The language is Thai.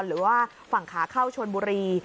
หรือว่าฝั่งขาเข้าชนบุรี